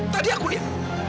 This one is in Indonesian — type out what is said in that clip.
tadi aku lihat